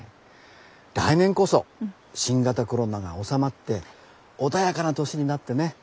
来年こそ新型コロナが収まって穏やかな年になってね